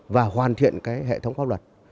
và hoàn thiện cái hệ thống pháp luật